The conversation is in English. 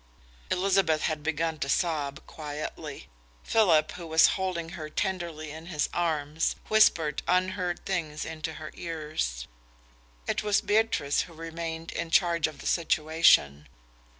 Elizabeth had begun to sob quietly. Philip, who was holding her tenderly in his arms, whispered unheard things into her ears. It was Beatrice who remained in charge of the situation.